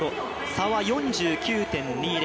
差は４９．２０。